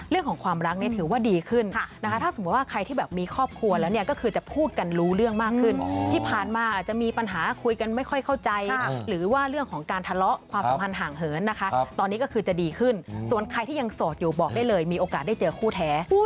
เรื่องของความรักเนี่ยถือว่าดีขึ้นนะคะถ้าสมมุติว่าใครที่แบบมีครอบครัวแล้วเนี่ยก็คือจะพูดกันรู้เรื่องมากขึ้นที่ผ่านมาอาจจะมีปัญหาคุยกันไม่ค่อยเข้าใจหรือว่าเรื่องของการทะเลาะความสัมพันธ์ห่างเหินนะคะตอนนี้ก็คือจะดีขึ้นส่วนใครที่ยังโสดอยู่บอกได้เลยมีโอกาสได้เจอคู่แท้